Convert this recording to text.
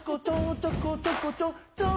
ちょこちょこちょちょ